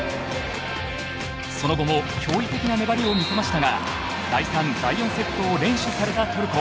その後も驚異的な粘りを見せましたが第３、第４セットを連取されたトルコ。